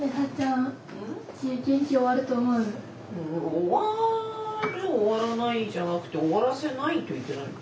終わる終わらないじゃなくて終わらせないといけない。